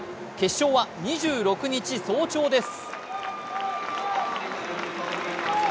決勝は２６日早朝です。